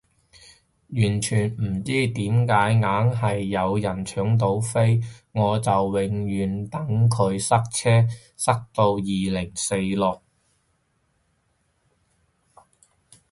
完全唔知點解硬係有人搶到飛，我就永遠等佢塞車塞到二零四六